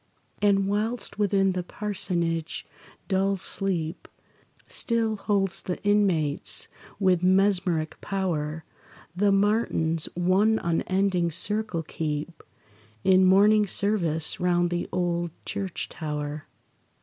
And whilst within the parsonage dull sleep Still holds the inmates with mesmeric power, The martins one unending circle keep, In morning service round the old church tower.